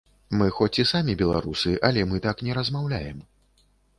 Мы хоць і самі беларусы, але мы так не размаўляем.